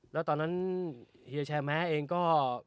แล้วตอนนั้นเฮียแชร์แม้เองก็